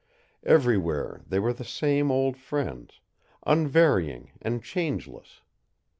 Everywhere they were the same old friends, unvarying and changeless.